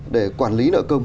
để quản lý nợ công